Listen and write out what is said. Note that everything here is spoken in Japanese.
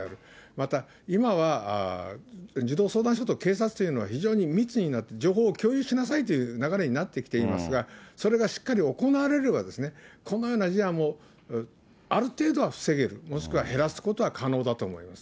また今は、児童相談所と警察というのは、非常に密になって情報を共有しなさいという流れになってきていますが、それがしっかり行われれば、このような事案もある程度は防げる、もしくは減らすことは可能だと思います。